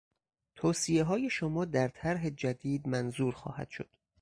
توصیههای شما در طرح جدید منظور خواهد است.